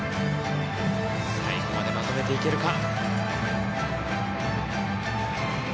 最後までまとめられるか。